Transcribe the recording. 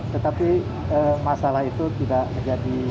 tetapi masalah itu tidak menjadi